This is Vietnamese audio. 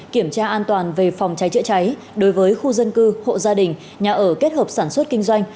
kiểm tra an toàn về phòng cháy chữa cháy đối với khu dân cư hộ gia đình nhà ở kết hợp sản xuất kinh doanh